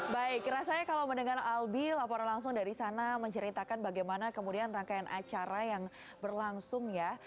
baik rasanya kalau mendengar albi laporan langsung dari sana menceritakan bagaimana kemudian rangkaian acara yang berlangsung ya